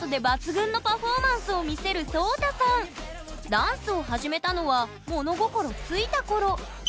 ダンスを始めたのは物心ついた頃。